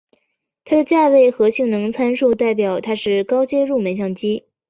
它的价位和性能参数代表它是高阶入门相机。